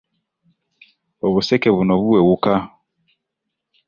Obuseke buno buwewuka.